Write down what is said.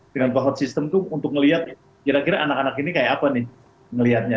dengan cohort system tuh untuk melihat kira kira anak anak ini kayak apa nih ngelihatnya